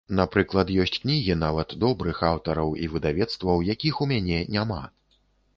Напрыклад, ёсць кнігі, нават добрых аўтараў і выдавецтваў, якіх у мяне няма.